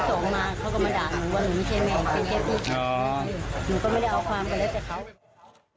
หนูก็ไม่ได้เอาความไปเลยจากเขา